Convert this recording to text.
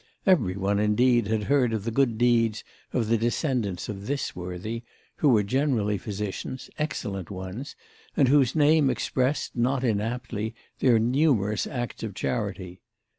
Every one indeed had heard of the good deeds of the descendants of this worthy, who were generally physicians, excellent ones, and whose name expressed not inaptly their numerous acts of charity.